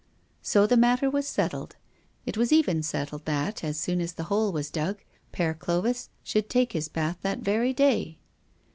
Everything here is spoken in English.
So the matter was settled. It was even decided that, as soon as the hole was dug, Père Clovis should take his bath that very day.